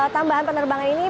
tambahan penerbangan ini